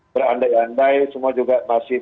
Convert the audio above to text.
berandai andai semua juga masih